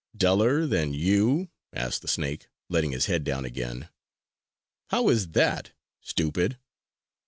"Duller than you?" asked the snake, letting his head down again. "How is that, stupid?"